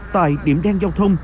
tại điểm đen giao thông